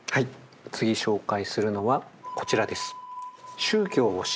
次紹介するのはこちらです。